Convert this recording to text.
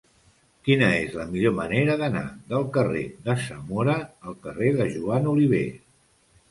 Quina és la millor manera d'anar del carrer de Zamora al carrer de Joan Oliver?